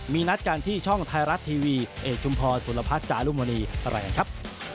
มีนัดกันที่ช่องไทยรัฐทีวีเอกชุมพรสุรพัฒน์จารุมณีอะไรกันครับ